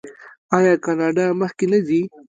آیا کاناډا مخکې نه ځي؟